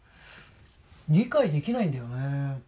理解できないんだよね